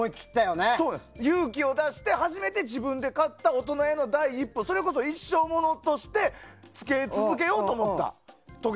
勇気を出して初めて自分で買ったそれこそ一生モノとして着け続けようと思った。